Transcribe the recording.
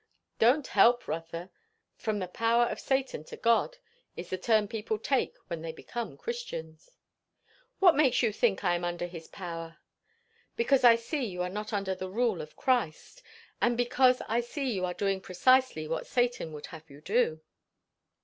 "Don't help, Rotha. 'From the power of Satan to God,' is the turn people take when they become Christians." "What makes you think I am under his power?" "Because I see you are not under the rule of Christ. And because I see you are doing precisely what Satan would have you do."